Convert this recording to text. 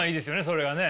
それがね。